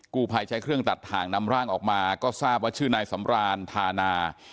กู้ภัยใช้เครื่องตัดถ่างนำร่างออกมาก็ทราบว่าชื่อนายสำรานธานา